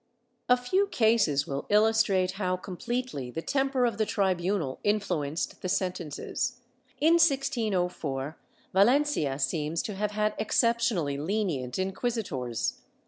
A few cases will illustrate how completely the temper of the tri bunal influenced the sentences. In 1604, Valencia seems to have had exceptionally lenient inciuisitors.